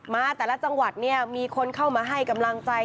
มาแต่ละจังหวัดเนี่ยมีคนเข้ามาให้กำลังใจ